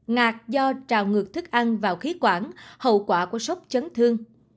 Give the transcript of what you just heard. ngạc do trào ngược thức ăn vào khí quản hậu quả của sốc chấn thương